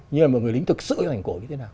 nhưng mà người lính thực sự thành cổ như thế nào